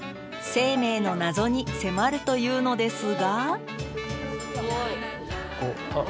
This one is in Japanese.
生命の謎に迫るというのですがあっ